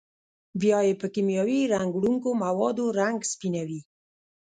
بیا یې په کېمیاوي رنګ وړونکو موادو رنګ سپینوي.